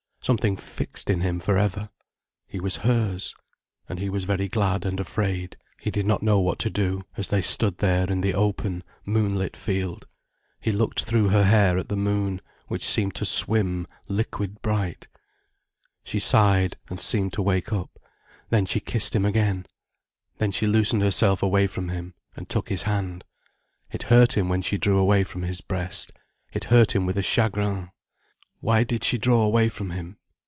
Something fixed in him for ever. He was hers. And he was very glad and afraid. He did not know what to do, as they stood there in the open, moonlit field. He looked through her hair at the moon, which seemed to swim liquid bright. She sighed, and seemed to wake up, then she kissed him again. Then she loosened herself away from him and took his hand. It hurt him when she drew away from his breast. It hurt him with a chagrin. Why did she draw away from him?